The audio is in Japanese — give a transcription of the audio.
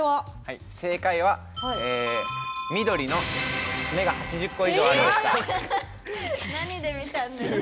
正解は緑の目が８０個以上あるでした。